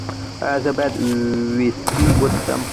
ایا زه باید ویسکي وڅښم؟